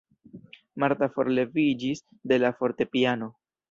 Marta forleviĝis de la fortepiano.